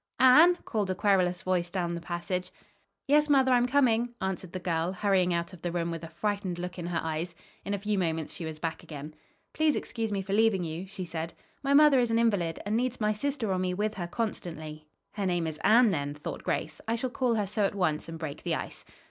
"Anne!" called a querulous voice down the passage. "Yes, mother, I'm coming," answered the girl, hurrying out of the room with a frightened look in her eyes. In a few moments she was back again. "Please excuse me for leaving you," she said. "My mother is an invalid and needs my sister or me with her constantly." "Her name is Anne, then," thought Grace. "I shall call her so at once and break the ice."